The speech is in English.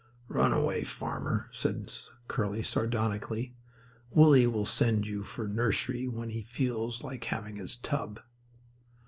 "Run away, farmer," said Curly, sardonically. "Willie will send for nursey when he feels like having his tub."